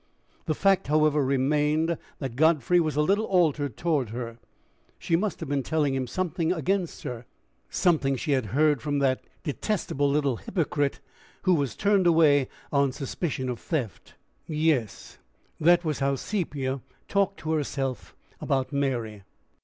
The fact, however, remained that Godfrey was a little altered toward her: she must have been telling him something against her something she had heard from that detestable little hypocrite who was turned away on suspicion of theft! Yes that was how Sepia talked to herself about Mary.